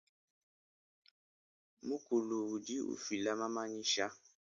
Mukulu udi ufila mamanyisha.